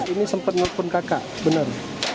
ini sempat nelfon kakak benar